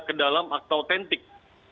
ke dalam akta autentik